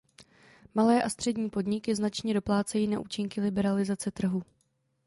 Malé a střední podniky značně doplácejí na účinky liberalizace trhu.